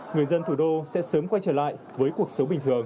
người dân thủ đô sẽ sớm quay trở lại với cuộc sống bình thường